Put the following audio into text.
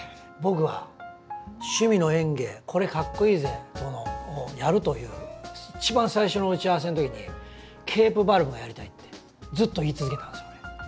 僕は「趣味の園芸これ、かっこイイぜ！」をやるという一番最初の打ち合わせの時にケープバルブをやりたいってずっと言い続けたんですよね。